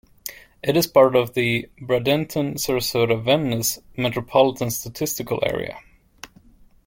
It is part of the Bradenton-Sarasota-Venice Metropolitan Statistical Area.